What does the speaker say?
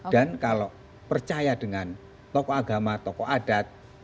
dan kalau percaya dengan tokoh agama tokoh adat